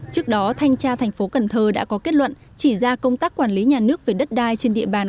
trước đó thanh tra thành phố cần thơ đã có kết luận chỉ ra công tác quản lý nhà nước về đất đai trên địa bàn